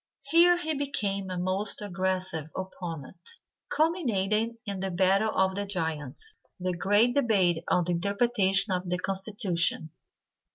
Here he became a most aggressive opponent, culminating in "The battle of the giants," the great debate on the interpretation of the constitution.